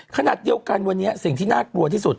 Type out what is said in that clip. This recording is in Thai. ขณะเดียวกันวันนี้สิ่งที่น่ากลัวที่สุด